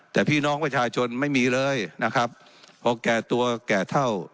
แต่พี่น้องประชาชนไม่มีเลยนะครับพอแก่ตัวแก่เท่า